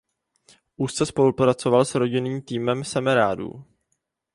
Úzce spolupracoval s rodinným týmem Semerádů.